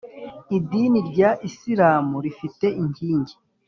idini rya isilamu rifite inkingi,